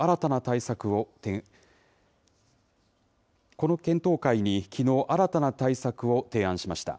この検討会にきのう、新たな対策を提案しました。